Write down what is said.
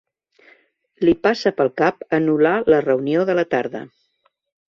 Li passa pel cap anul·lar la reunió de la tarda.